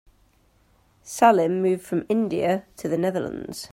Salim moved from India to the Netherlands.